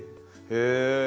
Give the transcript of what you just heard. へえ！